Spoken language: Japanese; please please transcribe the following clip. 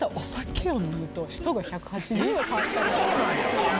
そうなんや。